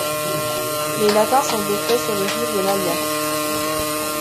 Les Latins sont défaits sur les rives de l'Allia.